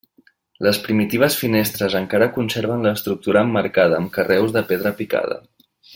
Les primitives finestres encara conserven l'estructura emmarcada amb carreus de pedra picada.